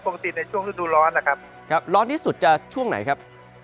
ในช่วงฤดูร้อนนะครับครับร้อนที่สุดจะช่วงไหนครับ